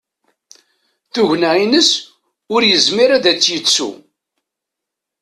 Tugna-ines, ur yezmir ad tt-yettu.